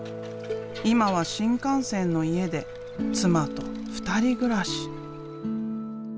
今は新幹線の家で妻と２人暮らし。